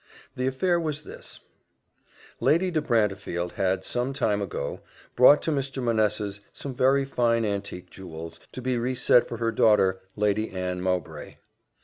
The affair was this: Lady de Brantefield had, some time ago, brought to Mr. Manessa's some very fine antique jewels, to be re set for her daughter, Lady Anne Mowbray.